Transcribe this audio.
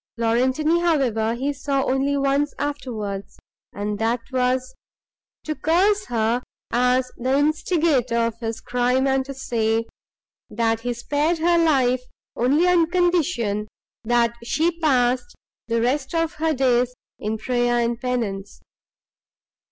Laurentini, however, he saw only once afterwards, and that was, to curse her as the instigator of his crime, and to say, that he spared her life only on condition, that she passed the rest of her days in prayer and penance.